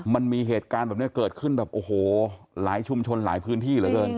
มันมีเหตุการณ์แบบนี้เกิดขึ้นแบบโอ้โหหลายชุมชนหลายพื้นที่เหลือเกิน